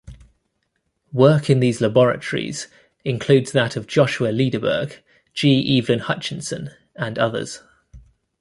Work in these laboratories includes that of Joshua Lederberg, G. Evelyn Hutchinson, and others.